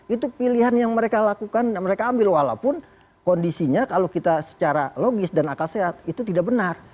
itu pilihan yang mereka lakukan mereka ambil walaupun kondisinya kalau kita secara logis dan akal sehat itu tidak benar